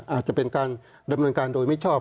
อาจจะเป็นการดำเนินการโดยไม่ชอบ